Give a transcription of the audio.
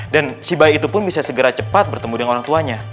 dan si bayi itu pun bisa segera cepat bertemu dengan orang tuanya